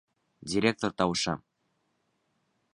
Директор тауышы.